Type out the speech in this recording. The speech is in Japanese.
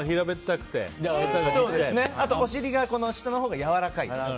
あと、お尻下のほうがやわらかいの。